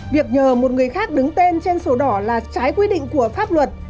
việc nhờ một người khác đứng tên trên sổ đỏ là trái quy định của pháp luật